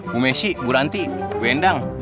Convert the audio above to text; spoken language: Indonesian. bu messi bu ranti bu endang